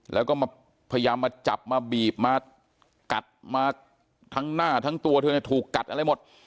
แล้วก็มาพยายามมาจับมาบีบมากัดมาทั้งหน้าทั้งตัวเธอเนี่ยถูกกัดอะไรหมด